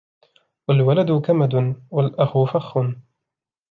وَالْوَلَدُ كَمَدٌ وَالْأَخُ فَخٌّ